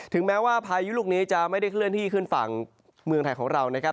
แม้ว่าพายุลูกนี้จะไม่ได้เคลื่อนที่ขึ้นฝั่งเมืองไทยของเรานะครับ